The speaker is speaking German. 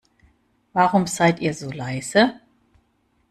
Warum seid ihr so leise?